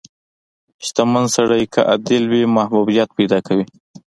• شتمن سړی که عادل وي، محبوبیت پیدا کوي.